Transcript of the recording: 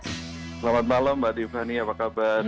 selamat malam mbak tiffany apa kabar